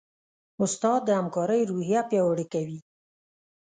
استاد د همکارۍ روحیه پیاوړې کوي.